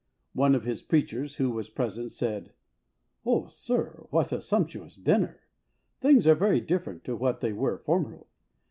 One of his preachers, who was present, said, '' Oh, sir, what a sumptuous dinner ! Things are very different to what they were formerly.